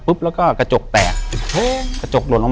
อยู่ที่แม่ศรีวิรัยิลครับ